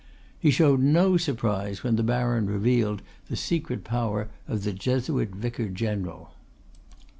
He showed no surprise when the baron revealed the secret power of the Jesuit vicar general.